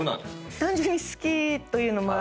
単純に好きというのもあって。